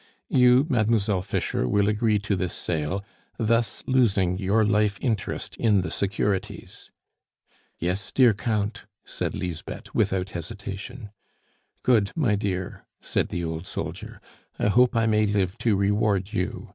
You, Mademoiselle Fischer, will agree to this sale, thus losing your life interest in the securities." "Yes, dear Count," said Lisbeth without hesitation. "Good, my dear," said the old soldier. "I hope I may live to reward you.